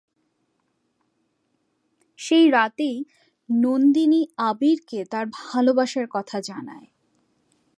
সেই রাতেই "নন্দিনী" "আবির"কে তার ভালবাসার কথা জানায়।